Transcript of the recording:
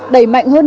đẩy mạnh hơn nữa